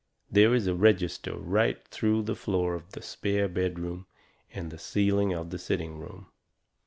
There is a register right through the floor of the spare bedroom and the ceiling of the sitting room.